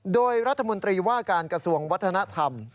โดยรัฐมนตรีว่าการกระทรวงวัฒนธรรม